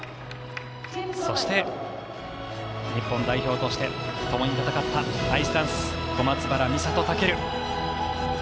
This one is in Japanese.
そして日本代表としてともに戦ったアイスダンス小松原美里、尊。